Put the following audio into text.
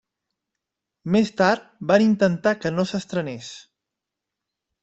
Més tard van intentar que no s'estrenés.